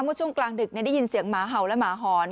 เมื่อช่วงกลางดึกเนี่ยได้ยินเสียงห่าวและหมาหอน